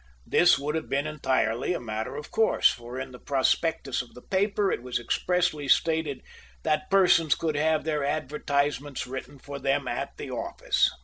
This Would have been entirely a matter of course, for in the prospectus of the paper it was expressly stated that persons could have their advertisements written for them at the office.